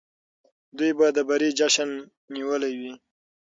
دوی به د بري جشن نیولی وي.